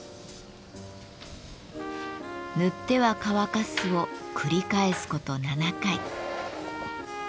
塗っては乾かすを繰り返すこと７回。